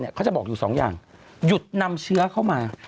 เขาจะบอกอยู่สองอย่างหยุดนำเชื้อเข้ามา